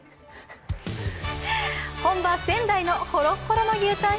本場、仙台のほっろほろの牛たん